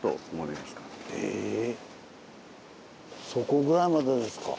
そこぐらいまでですか。